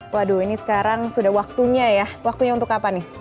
waduh ini sekarang sudah waktunya ya waktunya untuk apa nih